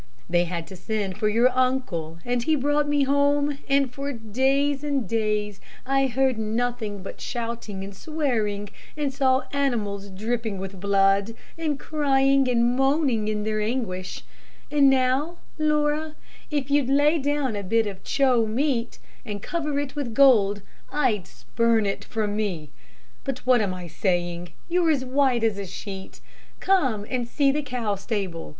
They had to send for your uncle, and he brought me home, and for days and days I heard nothing but shouting and swearing, and saw animals dripping with blood, and crying and moaning in their anguish, and now, Laura, if you'd lay down a bit of Ch o meat, and cover it with gold, I'd spurn it from me. But what am I saying? you're as white as a sheet. Come and see the cow stable.